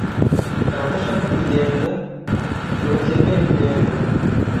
Abadashaka kugenda, ntibakeneye kugenda.